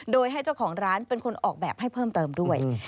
โดยให้เจ้าของร้านเป็นคนออกแบบให้เพิ่มเติมด้วย